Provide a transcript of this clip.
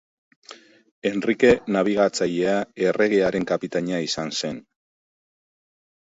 Henrike Nabigatzailea erregearen kapitaina izan zen.